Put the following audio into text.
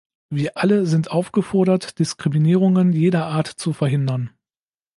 Wir alle sind aufgefordert, Diskriminierungen jeder Art zu verhindern.